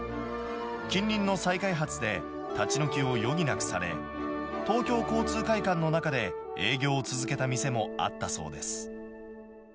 近隣の再開発で、立ち退きを余儀なくされ、東京交通会館の中で営業を続けた店もあったそうです。